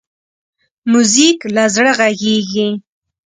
موزیک له زړه غږېږي.